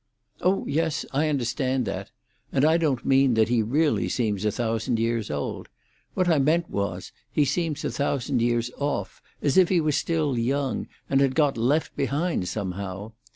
"Oh yes; I understand that. And I don't mean that he really seems a thousand years old. What I meant was, he seems a thousand years off, as if he were still young, and had got left behind somehow.